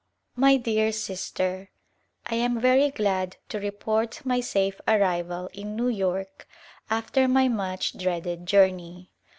My dear Sister : I am very glad to report my safe arrival in New^ York after my much dreaded journey.